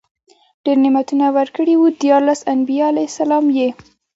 ډير نعمتونه ورکړي وو، ديارلس انبياء عليهم السلام ئي